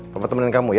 kepa temenin kamu ya